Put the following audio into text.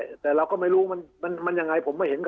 ใช่แต่เราก็ไม่รู้มันยังไงกลับตาก็ไม่เห็นเอง